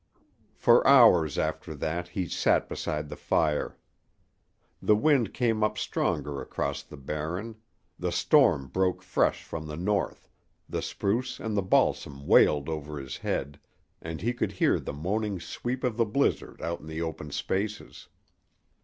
For hours after that he sat beside the fire. The wind came up stronger across the Barren; the storm broke fresh from the north, the spruce and the balsam wailed over his head, and he could hear the moaning sweep of the blizzard out in the open spaces.